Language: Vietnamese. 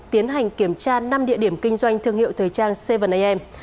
tiến hành kiểm tra năm địa điểm kinh doanh thương hiệu thời trang seven am